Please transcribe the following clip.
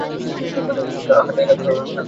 হাতে আঘাত পাওয়ায় কাঁদতে?